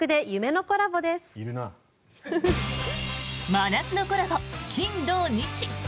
真夏のコラボ金土日。